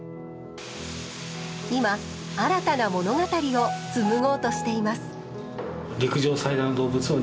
今新たな物語を紡ごうとしています。